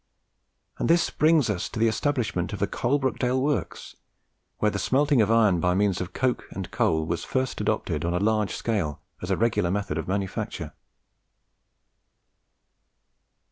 And this brings us to the establishment of the Coalbrookdale works, where the smelting of iron by means of coke and coal was first adopted on a large scale as the regular method of manufacture.